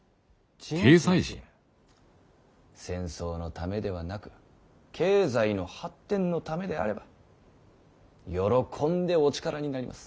戦争のためではなく経済の発展のためであれば喜んでお力になります。